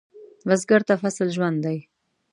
بزګر ته فصل ژوند دی